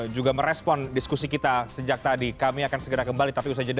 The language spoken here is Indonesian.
juga merespon diskusi kita sejak tadi kami akan segera kembali